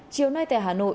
chiều nay tại hà nội